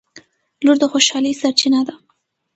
• لور د خوشحالۍ سرچینه ده.